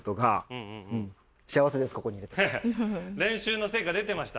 練習の成果出てました？